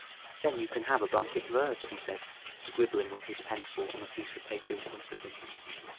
"Then you can have a blanket verse," he said, scribbling with his pencil on a piece of paper in front of him.